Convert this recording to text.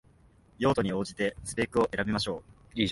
用途に応じてスペックを選びましょう